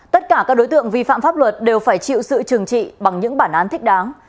tất cả các đối tượng vi phạm pháp luật đều phải chịu sự trừng trị bằng những bản án thích đáng